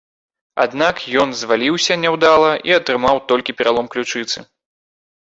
Аднак ён зваліўся няўдала і атрымаў толькі пералом ключыцы.